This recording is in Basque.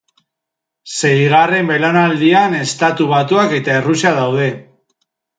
Seigarren belaunaldian Estatu Batuak eta Errusia daude.